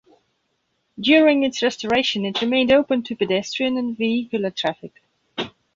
During its restoration it remained open to pedestrian and vehicular traffic.